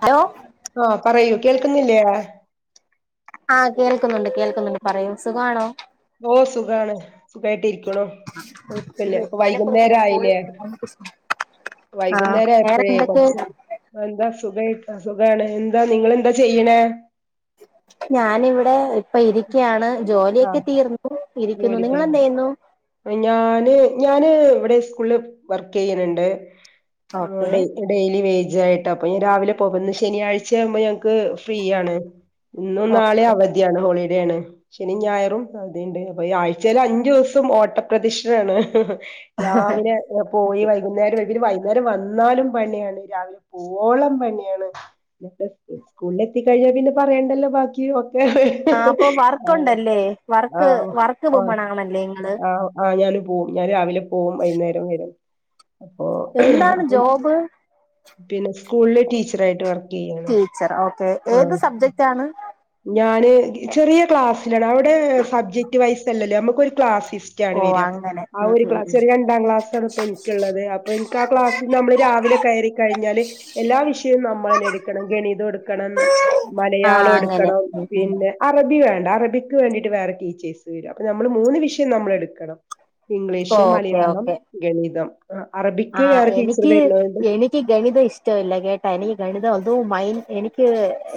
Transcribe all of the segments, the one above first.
Hello ആ പറയൂ കേൾക്കുന്നില്ലേ ആ കേൾക്കുന്നുണ്ട് കേൾക്കുന്നുണ്ട് പറയു സുഖമാണോ ഓ സുഖാണ് സുഖായിട്ടിരി കുഴപ്പില്ലേ ഒരു അപ്പ മലപ്പുറത്ത് മറ്റേ വൈകുന്നേരായില്ലേ കോഴിക്കോട് കണ്ണൂർ ആ വേറെ വൈകുന്നേരായപ്പഴേ എന്തൊക്കെ കൊർച്ച് എന്താ സുഖായി സുഖാണ് എന്താ നിങ്ങളെന്താ ചെയ്യ്ണേ ഞാനിവിടെ പ്പ ഇരിക്കാണ് ജോലിയൊക്കെ ആഹ് തീർന്നു ഇരിക്കുന്നു ജോലിക്ക് നിങ്ങളെന്ത് ചെയ്യുന്നു ഞാന്- ഞാന് ഇവിടെ സ്കൂളില് വർക്ക് ചെയ്യുന്നുണ്ട് ഓക്കെ ഡെലി വേജാസ് - തീർച്ചയായിട്ടും അപ്പോ ഇനി രാവിലെ പോകന്ന് ശനിയാഴ്ച ആകുമ്പോൾ ഞങ്ങൾ ഫ്രീ ആണ് ഇന്നും നാളെ ഓക്കെ അവധിയാണ് ഹോളിടെ - അതാണ് ശനി ഞായറും അഅവധി ഉണ്ട് അപ്പൊ ഈ ആഴ്ചൽ അഞ്ചു ദിവസം ഓട്ടപ്രദഷിണാണ് രാവിലെ പോയി വൈകുനേരം വരിക - അന്നേരം വന്നാലും പണിയാണ് രാവിലെ പോവളം പണിയാണ് സ്കൂളിൽ എത്തിക്കഴിഞ്ഞാൽ പിന്നെ പറയണ്ടല്ലോ ബാക്കി ഒക്കെ ആ അപ്പൊ വർക്ക് ഉണ്ടല്ലേ വർക്ക് വർക്ക് ഓ വുമൺ ആണല്ലേ നിങ്ങള് ആ ആ് ഞാന് പോവും ഞാൻ രാവിലെ പോവും വൈകുന്നേരം ഉ [unintelligible] എന്താണ് ജോബ് പിന്നെ സ്കൂളില് ടീച്ചർായിട്ട് വർക്ക് ചെയ്യാണ് ടീച്ചർ ഓക്കേ ഏത് ആഹ് സബ്ജക്റ്റ് ആണ് ഞാന് ചെറിയ ക്ലാസ് അവിടെ സബ്ജക്- വയസ്സല്ലേ നമുക്ക് ഒരു ക്ലാസ്സ്റ്റ്ണ് ഓ വരത് അങ്ങനെ ആ ഉം ഒരു ഉം ക്ലാസ് ഉം ഒരു രണ്ടാം ക്ലാസ് ആാണ് ഇപ്പ എനിക്കുള്ളത് അപ്പൊ എനിക്ക് ആ ക്ലാസ്സിൽ നമ്മള് രാവിലെ കയറിക്കഴിഞ്ഞാല് എല്ലാ വിഷയവും നമ്മൾെ എടുക്കണം ഗണിതം എടുക്കണം ആ മലയാളം അങ്ങനെ എടുക്കണം പിന്നെ അറബി വേണം അറബിക്ക് വേണ്ടട്ട് വേറെ ടീച്ചേർസ് ഉണ്ട് അപ്പൊ നമ്മള് മൂന്ന് വിഷയം നമ്മൾ എടുക്കണം ഇംഗ്ലീഷ് മലയാളം ഗണിതം ആ, അറബിക്ക് ആഹ് വേറെ ടീച്ചർ എനിക്ക് വരുന്നോണ്ട് എനിക്ക് ഗണിതം ഇഷ്ടമില്ല കേട്ടാ എനിക്ക് ഗണിതം അത മൈൻ എനിക്ക്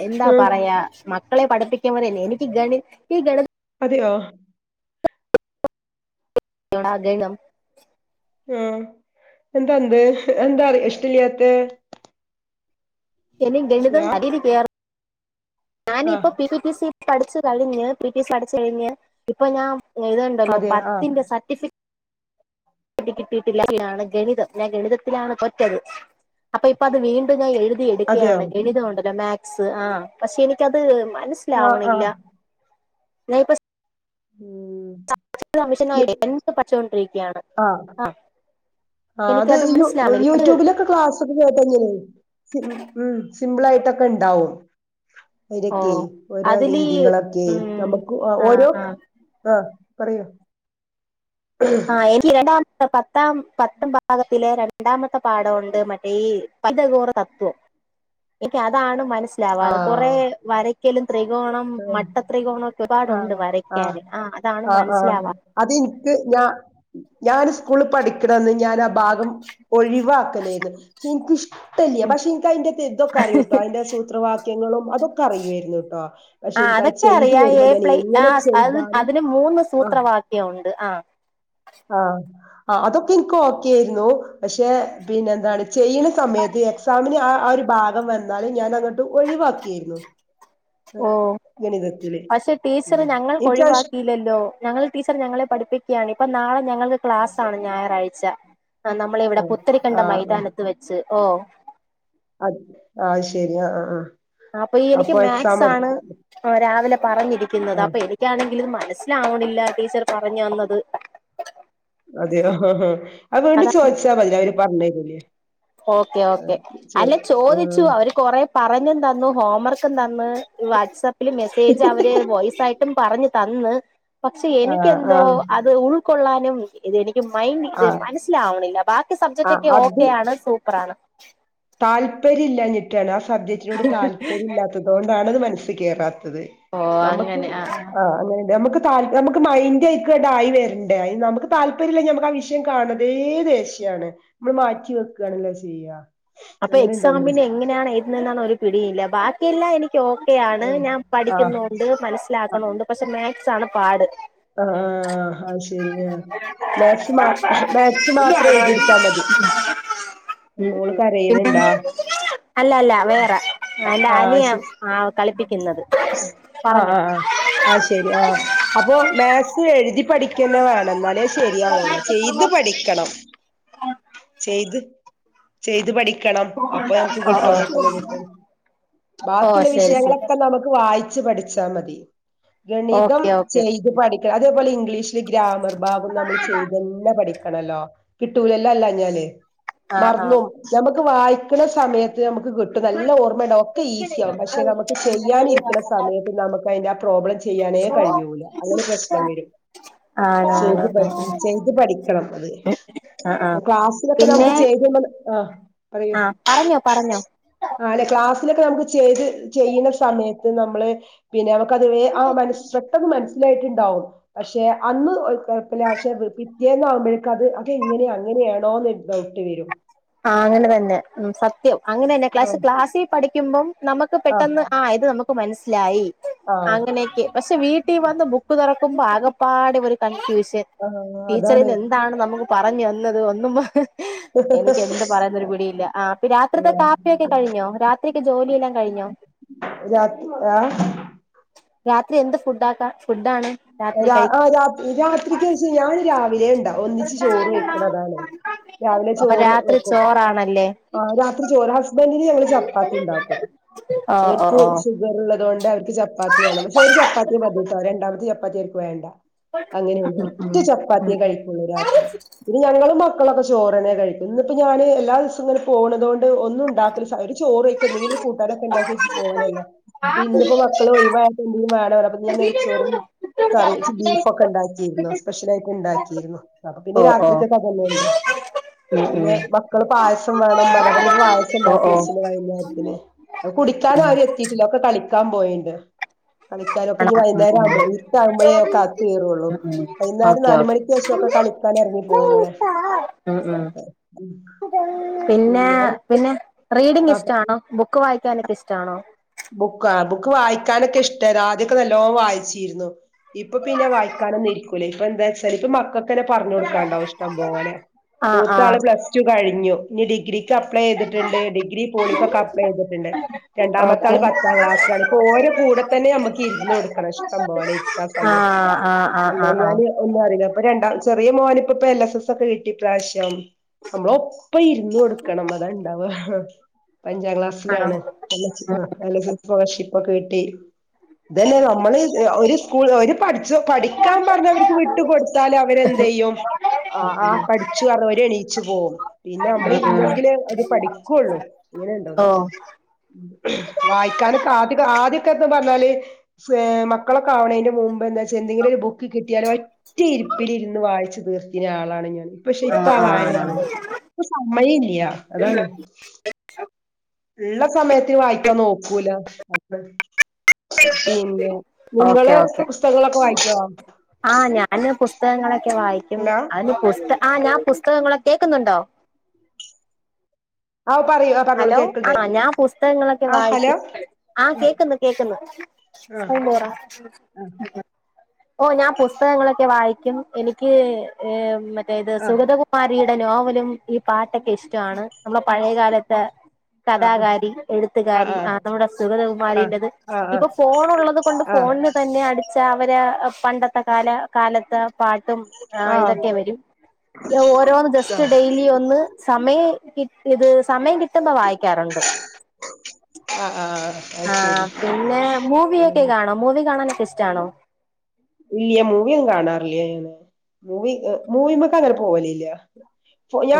എന്താ ആഹ് പറയാ മക്കളെ പഠിപ്പിക്ക ല്ലേ എനിക്ക് ഗണി ഈ ഗണി അതോ എന്നോട് അതെ [unintelligible] ആഹ എന്തുണ്ട് എന്താ ഇഷ്ടയില്ലാത്തെ ഈ ഗണിതം അതൊരു വേറെ ഞാന ആഹ് ഇപ്പ - പഠിച്ചു കളിഞ്ഞഞ് പി ടി പഠിച്ചു കളിഞ്ഞ് ഇപ്പൊ ഞാൻ ഇതുണ്ടല്ലോ അതെ ആഹ് പത്തിന്റെ സർട്ടിഫിക്ക കിട്ടിട്ടില്ലാണ് ഗണിതം ഞാൻ ഗണിതത്തിലാണ് കൊറഞാത് അപ്പൊ ഇപ്പ അത് വീണ്ടും ഞാൻ എഴുതി അതെയോ എടുക്കുകാണ് ഗണിതംണ്ടല്ലോ മാത്തസ് ആ പക്ഷെ എനിക്കത് ആഹ് മനസ്സിലാവണില്ല ആഹ് ന പ [unintelligible] ഉം സം [unintelligible] കമ്മിഷനമായി എന്ത് പച്ചൊണ്ടിരിക്കയാണ് ആ ആ അത് യ യൂട്യൂബിലൊക്കെ ക്ലാസ്ൊക്കെ കേട്ടങ്ങനേ ഉ സിമ്പിൾ ആയിട്ടൊക്കെ ഉണ്ടാവും ഓ അതൊക്കെ ഓരോ അതില് രീതികളൊക്കെ ഉം നമുക്ക് ആഹ് ഓരോ ആഹ് ആ പറയ ആഹ എ രണ്ടാസ പ [unintelligible] പത്ത പത്ത ഭാഗത്തിലെ രണ്ടാമത്തെ പാഠമുണ്ട് മറ്റേ ഈ പിതാഗോറസ് തത്വംഎനി അതാണ് മനസ്സിൽ ആവാത്തത് മനസ്സിലാവാതെ അത് കുറെ ആഹ് വര- കേ- ത്രികോണം മട്ട ത്രികോണം ഒക്കെ ഒരുപാടുണ്ട് ആഹ് ആഹ് വരക്കാൻ ആ അതാണ് മനസ്സിലാവാ ഞാാന് സ്കൂള് പഠിക്കണംമന്ന് ഞാൻ ആ ഭാഗം ഒഴിവാക്കലേന്ന് പ എനിക്കഷ തല്ല്ല പക്ഷെ എനിക്ക് അതിന്റെ ഇതൊക്ക അറിയൂട്ടോ അതിന്റെ സൂത്രവാ നിങ്ങളും അതൊക്കെ അറിയുായിരുന്നു കേട്ടോ പക്ഷെ ആ എനിക്കത് അതൊക്കെ ചെയ്ത് അറിയാം ഏ വരുമ്പോ ഞാൻ പ്ലൈ ആ എങ്ങനെ ചെയ്താലും അതിന് മൂന്ന് സൂത്രവാക്യംണ്ട് ആഹ ആഹ ആ അതൊക്കെ എനിക്ക് ഓക്കൊയിരുന്നു പക്ഷെ പിന്നെ എന്താണ് ചെയ്യണ സമയത്ത് എക്സാമിന് ആ ആ ഒരു ഭാഗം വന്നാലും ഞാൻ അങ്ങോട്ട് ഒഴിവാക്കിയിരുന്നു ഓ ഗണിതത്തില് പക്ഷെ ടീച്ചറ് ഉം ഞങ്ങൾ എനിക്കത് ഇഷ് ഒഴിവാക്കിയില്ലല്ലോ ഞങ്ങൾ ടീച്ചർ ഞങ്ങളെ പഠിപ്പിക്കുകയാണ് ഇപ്പൊ നാളെ ഞങ്ങക്ക് ക്ലാസ്സാണ് ഞായറാഴ്ച ആ നമ്മള ഇവിടെ ആഹ് പുത്തരിക്കണ്ട ആഹ് ആഹ് മൈതാനത്ത് വെച്ച് ഓ അത് ആ ശരി ആ ആ [unintelligible] അപ്പൊ ഈ എനിക്ക് മാത്സ് ആാണ് രാവിലെ ആ പറഞ്ഞിരിക്കുന്നത് അപ്പൊ എനിക്കാണെങ്കിൽ ഇത് മനസ്സിലാവണില്ല ടീച്ചർ പറഞ്ഞു തന്നത് അതെയോ ആഹ ആാ അവത് വീണ്ട അതാണ് ചോദിച്ചാൽ മതി അവര് പറഞ്ഞരുലേ ഉ ഓക്കെ ഓക്കെ അല്ല ചോദിച്ചു അവര് കൊറെ പറഞ്ഞും തന്നു ഹോംവർക്കും തന്നു വാട്സആപ്പിൽ മെസ്സേജ് അവര് വോയിസ ആായിട്ടും പറഞ്ഞു തന്ന് പക്ഷെ ആ ആ എനിക്കെന്തോ അത് ഉൾക്കൊള്ളാൻ നും എനിക്ക് മൈൻഡ് ആ ആ ഇത് മനസ്സിലാവണില്ല ബാക്കി ആ സബ്ജക്റ്റ് ഒക്കെ അത് ഓക്കെയാണ് പ്രാണ് താല്പര്യം ഇില്ലഞ്ഞിട്ടാണ് സബ്ജക്ടിനട്ാല്പര്യമല്ലാത്തത കൊണ്ടാണ്ണത് മന ത് കേറ തത് നമുക്ക് ആ അങ്ങന നമുക്ക് നമുക്ക് മൈൻഡ് ആയിക്കണ്ടായി വരണ്ടേ നമുക്ക് താല്പര്യമില്ല നമക്ക് ആ വിഷയം കാണതേ ദേഷ്യയാണ് നമ്മള് മാറ്റി വെക്കുകയാണല്ലോ ചെയ്യ അപ്പൊ എക്സാമിന് എങ്ങനെയാണ് എഴതുന്ന എന്നാണ് പിടിയില്ല ബാക്ക ല്ല എനിക്ക് ഓക്കെയ ആാണ് ഞാൻ ആ ആ പഠിക്കുന്നണ്ട് മനസ്സിലാക്കണണ്ട് പക്ഷെ മേ സാണ് പാട് ആ ആഹ ശരി ആ മാത്സ് മാത്സ് മാത്രം എഴുതിയടുത്താ മതി ഉം നമ്മോൾ ഉം പിന്നെ അല്ല അല്ല വേറെ എന്റെ ആഹ് അനിയാ ശരി ആ കളിപ്പിക്കുന്നത് ആഹ് പറഞ്ഞോ ആഹ് ആഹ് [unintelligible] എ പഠിക്കുന്നെ വേണ എന്നാലേ ശരിയാവുള്ളൂ ചെയ്ത് പഠിക്കണം. ചെയ്ത് ചെയ്ത് പഠി ക്കണം. അപ്പ നമുക്ക് ഓ കിട്ടും ഓ പെട്ടന്ന് കിട്ടും. ഓ ബാക്കിയുള്ള ശരി ശരി വിഷയങ്ങളൊക്കെ നമുക്ക് വായിക്ക ച് പഠിച്ചാ മതി. ഗണിതം ഓക്കെ ഓക്കെ ചെയ്, ഇത് പഠിക്കണം അതേപോലെ ഇംഗ്ലീഷില് ഗ്രാമർ ഭാഗം നമ്മള് ചെയ്ത്തന്നെ പഠിക്കും. ണല്ലോ കിട്ടൂലല്ലോ അല്ല ഞാന് ആഹ് ആഹ് മറന്നോം ഞമുക്ക് വായ്ക്കണ സമയത്ത് നമുക്ക് കിട്ടും നല്ല ഓർമ്മ ഉണ്ട ഒക്കെ ഈസി ആവും പക്ഷെ നമുക്ക് ചെയ്യാനിരിക്കുന്ന സമയത്ത് നമുക്ക് അതിന്റെ പ്രോബ്ളം ചെയ്യാനേ കഴിയൂല. അല്ലങ്കി പ്രശ്നം വരും ആണാണ് ചെയ്ത് ചെയ്ത് പഠിക്കണം അത് ആഹ് ആഹ് ക്ലാസിലക്കെ പിന്നെ നമുക്ക് ചെയ്ത ആ പറയൂ ആ പറഞ്ഞോ പറഞ്ഞോ ആ അല്ലെ ക്ലാസ് ഇതിലക്കെ നമുക്ക് ചെയ്ത് ചെയ്യുന്ന സമയത്ത് നമ്മള് പിന്നെ അവ കവേ ആ മനസ്ട്ട മന [inaudible] യിട്ടുണ്ടാവും പക്ഷെ അന്ന് കുഴപ്പില്ല പക്ഷെ പിറ്റേന്ന് ആകുമ്പോഴേക്ക അത് അത് എങ്ങനെ അങ്ങനെയാണോന്ന് ഡൌട്ട് വരും അങ്ങനെന്നെ ആ ക്ലാസ് ക്ലാസ്സിൽ പഠിക്കുമ്പം പെട്ടെന്ന് ആ ഇത് നമുക്ക് മനസ്സിലായി ആ അങ്ങനെയൊക്കെ പക്ഷെ വീട്ടിൽ വന്ന് ബുക്ക് തുറ പാകപ്പാട് ഇവർ കൺഫ്യൂഷ പെ ആ അതാണ് ടീച്ചറിന്ന് എന്താണ് നമുക്ക്, പറഞ്ഞു വന്നത് ഒന്ന എനിക്ക് എന്ത് പറയുന്നൊരു പിടിയില്ല ആ അപ്പൊ ആ. രാത്രിത്തെ കാപ്പിയൊക്കെ കഴിഞ്ഞോ? രാത്രിയൊക്കെ ജോലിയെല്ലാം കഴിഞ്ഞോ? രാത്രി ആ രാത്രി എന്ത് ഫുഡ് ആക്ക ഫുഡ ആണ്? ആ രാത് രാത്രിക്കച്ച ഞാൻ രാവിലെ ഉണ്ട ഒന്നിച്ച് ചോറ് വെക്കണതാണ് രാവിലെ [inaudible] ഉ അപ്പൊ രാത്രി ചോറാണല്ലേ [unintelligible] ചപ്പാത്തിയാണ് ഓ ഓ ഓ പക്ഷെ ഒരു ചപ്പാത്തി മതി കേട്ടോ രണ്ടമത്തെ പപ്പ തീർക്ക വേണ്ട [inaudible] അങ്ങനെയണ്ട് ഉം ഉം ഒറ്റ ഉം ചപ്പാത്തിയും കഴിക്കുള്ള ഒരാക്ക് ഇെ ഞങ്ങളും മക്കളൊക്കെ ചോറന്നെ കഴിക്കും ഇന്ന് ഇപ്പോ ഞാന് എല്ലാ ദിവസങ്ങന പോണതോണ്ട് ഒന്നും ഉണ്ടാക്കല് ചോറും അയ്ക്കെന്തെങ്കിലും കൂട്ടാനൊക്കെ ഉണ്ടാക്കി വെച്ച് പോവലല്ലേ ഇന്നിപ്പോ മക്കള് ഒഴിവായൊണ്ട് എന്തെങ്കിലും വേണം ന്ന് പറഞ്ഞപ്പോ ഇന്ന് ഞാൻ നെയ്ച്ചോറും കറിയച്ച് ബീഫൊക്കെ ഇണ്ടാക്കിയിന്നു സ്പെഷ്യലായിട്ട് ഇണ്ടാക്കിയിരുന്നു അപ്പൊ പിന്നെ ഓ ഓ രാത്രിക്കൊക്കെ അ തെന്നുണ്ട് ഉം പിന്നെ ഉം മക്കള് പായസം വേണം പറഞ്ഞപ്പോ പായസം ഓ ഉണ്ടാക്കി ഓ വെച്ചിണ് വൈകുന്നേരത്തിന് അത് കുടിക്കാനും ഉം ആരും എത്തിട്ടില്ല ഒക്കെ കളിക്കാൻ പോയിണ്ട് കളിക്കാനൊക്കെ ഇഞ് ആണോ ഉം വൈകുന്നേരം ഉം ആവുമ്പോഴേ വൈകുന്നേരം ഓക്കെ നാല് ഓക്കെ മണിക്ക് ശേഷം ഒക്കെ കളിക്കാൻ ഇറങ്ങി പോകും ഇങ്ങനെ ഉം ഉം മക്കളൊക്കെ ഉം പിന്നെ പിന്നെ റീഡിങ് ഇഷ്ട്ടാണോ? ബുക്ക്‌ വായിക്ക ക്കാനൊക്ക [unintelligible] ഇഷ്ടാണോ? ബുക്ക് ബുക്ക് വായിക്കാനൊക്കെ ഇഷ്ടാ ആദ്യൊക്കെ നല്ലോണം വായിച്ചിരുന്നു ഇപ്പൊ പിന്നെ വായിക്കാനും ഇരിക്കൂലേ ഇപ്പൊ എന്താച്ചാൽ ഇപ്പ മക്ക ങ്ങനെ പറഞ്ഞു കൊടുക്കാണ്ടാവും ഇഷ്ടം പോലെ ആഹ് മൂത്ത ആള് ആഹ് പ്ലസ് ടു കഴിഞ്ഞു ഞ് ഡിഗ്രി ക്ക് അപ്ലൈ ചെയ്തിട്ട്ണ്ട് ഡിഗ്രി പോളിക്കൊക്കെ അപ്ലൈ ചെയ്തിട്ട്ണ്ട് രണ്ടാമത്തെ ഓക്കെ പത്താം ക്ലാസ്സിലാണ് ഇപ്പോ ഓരെ കൂടെ തന്നെ നമുക്ക് ഇരുന്ന് കൊടുക്കണം ഇഷ്ടം പോലെ ഇരിക്ക സമയം ആഹ് ആഹ് ആഹ് ആഹ് അല്ലെഞ്ഞാൽ ആഹ് ഒന്നും അറീല്ല ഇപ്പൊ രണ്ടാം ചെറിയ മോൻ ഇപ്പ ഇപ്പൊ എൽ എസ് എസ് ഒക്കെ കിട്ടി ഇപ്രാവശ്യം നമ്മള് ഒപ്പം ഇരുന്ന് കൊടുക്കണം അതണ്ടാവ പ്പോ അഞ്ചാം ആണോ ക്ലാസ്സിലാണ് പ്പോ സ്കോളർഷിപ്പൊക്കെ കിട്ടി ഇതന്നെ നമ്മള് ഒരു സ്കൂൾ ഒരു പഠിച്ച പഠിക്കാൻ പറഞ്ഞ അവർക്ക് വിട്ടു കൊടുത്താല് അവരെന്ത് ചെയ്യും ആ ആ പഠിച്ചു പറഞ് അവര് എണീച്ചു പോവും പിന്നെ നമ്മള ഇരുന്നെങ്കില് ഒര് പഠിക്കുള്ളൂ അങ്ങനെണ്ടോന്ന് ഓ ഞാനോക്കെ ആദ്യൊക്കെ എന്ന് പറഞ്ഞാല് മക്കളൊക്കെ ആവണേന്റെ മുമ്പ് ന്നേ എന്തെങ്കിലും ഒരു ബുക്ക് കിട്ടിയാലും ഒറ്റി ഇരിപ്പിൽ ഇരുന്ന് വായിച്ചത് തീർത്തീന്ന ആളാണ് ഞാൻ ഇപ്പ പക്ഷെ ഇപ്പ ആഹ് ആ വായനല്ല ആഹ് ഇപ്പൊ സമയം ഇല്ലയാ അതാണ് ഉള്ള സമയത്ത് വായിക്കാൻ നോക്കും കൂല അപ്പ പിന്നെ ഓക്കെ നിങ്ങള് ഓക്കെ പുസ്തകങ്ങളൊക്കെ വായിക്കോ? തകങ്ങളോ ക്കെ വായിക്കും ഹലോ അതിന് പുസ് ഇപ്പോ നിങ്ങള് കേക്കുന്നുണ്ടോ ആ പറയൂ ആ പറഞ്ഞോളൂ ഹലോ ആ കേൾക്കണ്ട് ഞാൻ പുസ്തകങ്ങളൊക്കെ ആ ഹലോ വായിക്കും ആ കേക്കുന്നു കേക്കുന്നു ആ ഓ ഞാൻ പുസ്തകങ്ങളൊക്കെ വായിക്കും എനിക്ക് ഏ മ അതായത് ആ സുഗതകുമാരി നോവലും ഈ പാട്ടൊക്കെ ഇഷ്ടമാണ് നമ്മളെ പഴയകാലത്ത് തേ ആ കഥാകാരി എഴുത്തുകാരി ആ നമ്മുടെ ആ സുഗൃതകുമാരീന്റെത് ആ ആ ആ ഇപ്പൊ ഫോണുള്ളത് കൊണ്ട് ആ ഫോണിന്നു തന്നെ അടിച്ച അവര് പണ്ടത്തെ കാല കാലത്ത് പ ട്ടും ആ ആ ഇതൊക്കെ വരും ഓരോന്ന് ആ ജസ്റ്റ് ഡെയിലി ഒന്ന് സമയ കിട്ടിയത് സമയം കി ട്ടുമ്പോ വായിക്കാറുണ്ട് ആ ആ അത് ആ ശരി പിന്നെ മൂവിയെക്കെ കാണോ മൂവി കാണാന് ടെസ്റ്റ് ആണോ ഇല്യ മൂവി ഒന്നും കാണാറില്ല അങ്ങനെ മൂവി മൂവിമക്ക്‌ അങ്ങനെ പോവലില്ല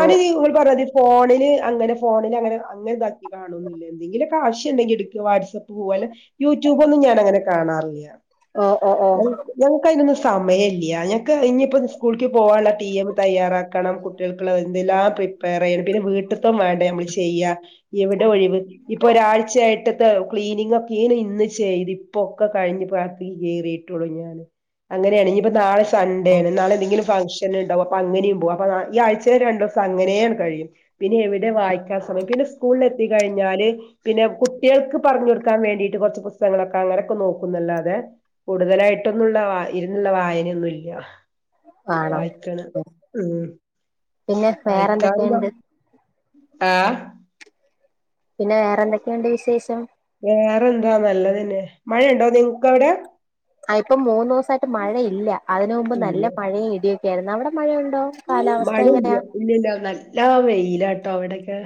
ഓ ഇങ്ങള് പറഞ്ഞാമറി ഫോണില് അങ്ങനെ ഫോണിൽ അങ്ങനെ അങ്ങനെ ഇതാക്കി കാണുല്ലേ എന്തങ്കിലുമൊക്കെ ആവശ്യം ഉണ്ടെങ്കിൽ എടുക്കയോ വാട്സ്അപ്പ് പോലെ യൂട്യൂബ് ഒന്നും ഞാൻ അങ്ങനെ കാണാറില്ല ഓ ഓ ഓ നെക്ക് അതിനൊന്നും സമയമില്ല ഞങ്ങക്ക് ഇനിയിപ്പോ സ്കൂൾക്ക് പോകാനുള്ള ടീ എം തയ്യാറാക്കണം കുട്ടികൾക്കുള്ള എന്തെല്ലാം പ്രിപ്പയർ ചെയ്യണം പിന്നെ വീട്ടിത്തെതും വേണ്ട നമ്മള് ചെയ്യാ എവിടെ ഒഴിവ് ഇപ്പൊ ഒരാഴ്ചയായിട്ടത്തെ ക്ലീനിങ്ങ് ഒക്കെയാണ് ഇന്ന് ചെയ്ത് ഇപ്പൊക്കെ കഴിഞ്ഞ് ഇപ്പോ അ കത്തേക്ക് കേറിയിട്ടുള്ളു ഞാൻ അങ്ങനെയാണ് ഇനിയിപ്പോ നാളെ സ സൺഡേ ആണ് നാളെ എന്തെങ്കിലും ഫങ്ഷൻ തന്നെ ഉണ്ടാവും അപ്പൊ അങ്ങനെയും പോകും അപ്പോ ഈ ആഴ്ച രണ്ടു ദിവസം അങ്ങനെയങ്ങ് കഴിയും പിന്നെ എവിടെ വായിക്കാൻ സമയം പിന്നെ സ്കൂളിൽ എത്തിക്കഴിഞ്ഞാല് പിന്നെ കുട്ടികൾക്ക് പറഞ്ഞു കൊടുക്കാൻ വേണ്ടിട്ട് കൊറച്ച് പുസ്തകങ്ങളൊക്കെ അങ്ങനെയൊക്കെ നോക്കുന്നുല്ലാതെ കൂടുതലായിട്ട് പെട്ടന്നുള്ള വായ് ഇരുന്നുള്ള വായനയൊന്നുമില്ല ആണോ വായിക്കണ് ഉം പിന്നെ വായിക്കാറില്ലോ വേറെന്തൊക്കെയുണ്ട് ആ പിന്നെ വേറെന്തക്കെയുണ്ട് വിശേഷം വേറെ എന്താ നല്ലത് തന്നെ മഴയുണ്ടോ നിങ്ങക്ക് അവിടെ അ ഇപ്പം മൂന്ന് ദോസായിട്ട് മഴ ഇല്ല അതിന് മുമ്പ് ഇല്ല നല്ല മഴയും ഇടിയും ഒ പെരുന്നാളിന് അവിടെ മഴയുണ്ടോ കാലാവസ്ഥ മഴ ഇല്ല എങ്ങനെയാ ഇല്ലല്ലോ നല്ലാ വെയില് ലാ കേട്ടോ ഇവിടെയൊക്കെ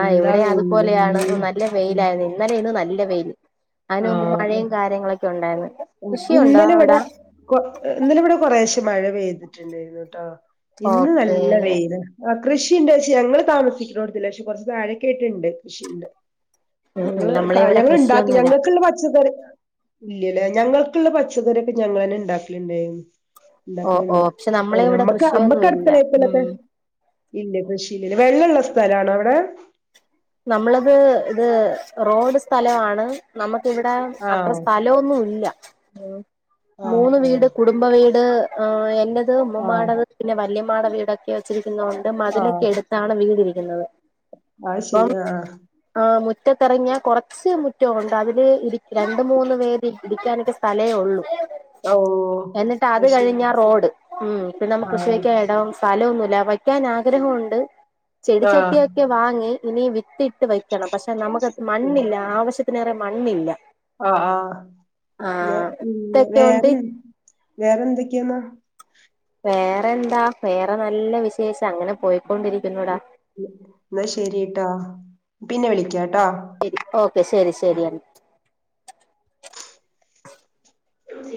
ആ ഇവിടെ അതുപോലെയാണ് നല്ല ഉം വെയിലായിരുന്നു ഇന്നലെ ഇന്നും നല്ല വെയില് അതിന് മുമ്പ് ആഹ് മഴയും കാര്യങ്ങളൊക്കെ ണ്ടായിരുന്നു ഇന്നലെ ഇവിടെ ഇന്നലെ ഇവിടെ കൊറേച്ചേ മഴ പെയ്തിട്ടുണ്ടായിരുന്നു കേട്ടോ ഇന്ന് ഓക്കേ നല്ല വെയില് കൃഷിണ്ട് പക്ഷേ ഞങ്ങള് താമസിക്കണോടത്തില്ല പക്ഷെ കൊറച്ച് താഴ കേട്ടുണ്ട് കൃഷിയൊ ഉം ഉം ണ്ട് നമ്മളെ ഇവിടെ ഞങ്ങള്ണ്ടാക്കി കൃഷിയൊന്നുല്ല ഞങ്ങക്കുള്ള പച്ചക്കറി ഇല്ലല്ലേ ഞങ്ങൾക്കുള്ള പച്ചക്കറിയൊക്കെ ഞങ്ങള് തന്നെ ഒ ണ്ടാക്കലുണ്ടായിരുന്നു ഓ ഓ ഉണ്ടാക്കണ്ട് പക്ഷെ നമ്മളെ ഒണ്ട് ഇവിടെ നമ്മക്ക് കൃഷിയൊന്നും അമ്മക്ക് ഇല്ല അടുക്കളത്തലെത്തെ ഉം ഇല്ല കൃഷിഇല്ല വെള്ളമൊള്ള സ്ഥലണോ അവിടെ നമ്മളത് ഇത് റോഡ് സ്ഥലമാണ് നമുക്ക്ിവിടെ അത്ര ആഹ് സ്ഥലമൊന്നും ഇല്ല ഉ ആഹ് മൂന്ന് വീട് ഓഹ് കുടുംബ വീട് ആ എന്റെ ആഹ് ഉട പിന്നെ വ ഉമ്മാടെ വീടൊക്കെ മതിലൊക്കെ എടുത്താണ് വീടു വച്ചത് ല്ലെ [unintelligible] ആഹ ശരി ആ മുറ്റത്തിറങ്ങിയാ കുറച്ച് മുറ്റവുംുണ്ട് അതില് രണ്ട് മൂന്ന് പേര് ഇറിക്കാനൊക്കെ സ്ഥലേ ഉള്ളു ഓഹ് എന്നിട്ട് അത് കഴിഞ്ഞ റോഡ് ഉ പിപ്പെ നമ്മക്ക് കൃഷ ആഹ് വിക്കാ ഇടം സ്ഥലമൊന്നുമല്ല വയ്ക്കാൻ ആഗ്രഹമുണ്ട് ആഹ് ചെടിച്ചട്ടിയൊക്കെ വാങ്ങി ഇനിയ വിത്തിയിട്ട് വെക്കണം പക്ഷെ നമുക്ക് മണ്ണില്ല ആവശ്യ അതിനേറെ മണ്ണില്ല ആ ആ ആ പിന്ന ഇതൊക്കെ കൊണ്ട് വേറെ വേറെന്തൊക്ക ക്കെണ് വേറെ എന്താ വേറെ നല്ല വി ശേഷം അങ്ങനെ പോയിക്കൊണ്ടിരിക്കുന്നുടാ എന്നാ ശരിട്ടാ പിന്നെ വിളിക്കാ ശരി ഓക്കെ ശരി ശരിയ ഉ